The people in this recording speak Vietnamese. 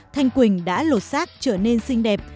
thanh quỳnh đã lột xác trở nên xinh đẹp